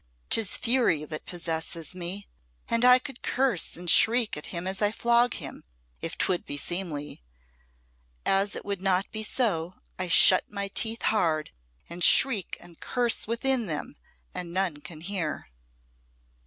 'Tis fury that possesses me, and I could curse and shriek at him as I flog him, if 'twould be seemly. As it would not be so, I shut my teeth hard, and shriek and curse within them, and none can hear."